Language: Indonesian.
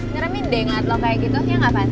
ngeri mendingat lo kayak gitu ya gak pasti